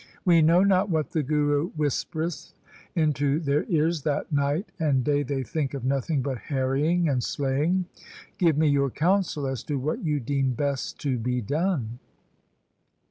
We know not what the Guru whispereth into their ears, that night and day they think of nothing but harrying and slaying. Give me your counsel as to what you deem best to be done.'